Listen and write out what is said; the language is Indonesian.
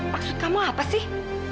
maksud kamu apa sih